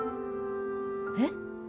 えっ？